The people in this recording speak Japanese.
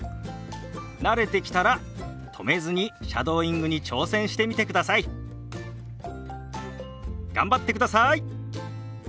慣れてきたら止めずにシャドーイングに挑戦してみてください。頑張ってください！